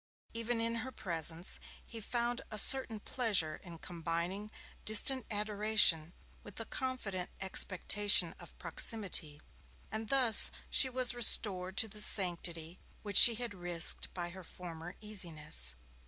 Even in her presence he found a certain pleasure in combining distant adoration with the confident expectation of proximity, and thus she was restored to the sanctity which she had risked by her former easiness.